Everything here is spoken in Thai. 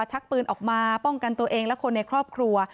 ชักปืนออกมาป้องกันตัวเองและคนในครอบครัว